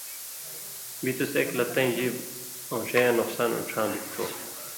بِتُس ایک لہ تَیں ژیب اؤن٘ݜَین٘یاں نقصان اُڇھاں بِگ تھو